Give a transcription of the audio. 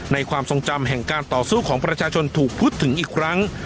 ความทรงจำแห่งการต่อสู้ของประชาชนถูกพูดถึงอีกครั้ง